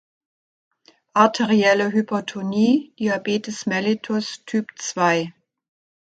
Arterielle Hypertonie, Diabetes mellitus Typ zwei.